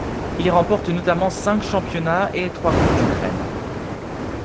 Il y remporte notamment cinq championnats et trois coupes d'Ukraine.